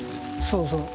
そうそう。